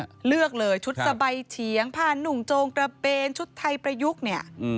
ใช่เลือกเลยชุดสะใบเฉียงผ่านหนุงโจงกระเปนชุดไทยประยุกต์